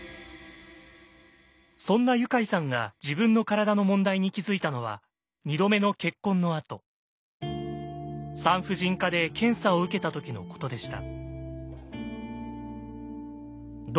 そんなユカイさんが自分の体の問題に気付いたのは産婦人科で検査を受けた時のことでした。